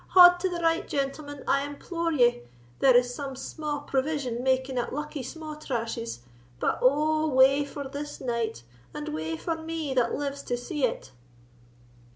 Haud to the right, gentlemen, I implore ye; there is some sma' provision making at Luckie Sma'trash's; but oh, wae for this night, and wae for me that lives to see it!"